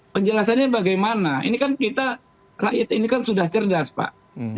penjelasannya bagaimana ini kan kita rakyat ini kan sudah cerdas pak